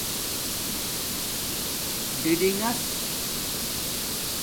ڈِڈِنݣس